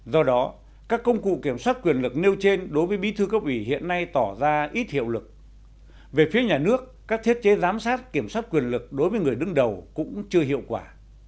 do đó các công cụ kiểm soát quyền lực nêu trên đối với bí thư cấp ủy hiện nay tỏ ra ít hiệu lực về phía nhà nước các thiết chế giám sát kiểm soát quyền lực đối với người đứng đầu cũng chưa hiệu quả